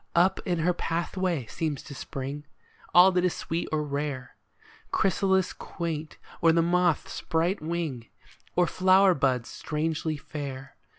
Up in her pathway seems to spring All that is sweet or rare, â Chrysalis quaint, or the moth's bright wing. Or flower buds strangely fair.